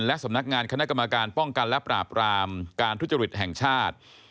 และสำนักงานคณะกรรมการป้องกันและปราบรามการทุจริตแห่งชาติ